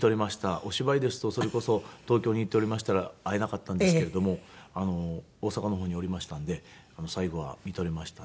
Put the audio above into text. お芝居ですとそれこそ東京に行っておりましたら会えなかったんですけれども大阪の方におりましたんで最後はみとれましたね。